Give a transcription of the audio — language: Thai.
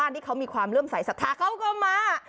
ที่เขามีความเลื่อมสายศรัทธาเขาก็มา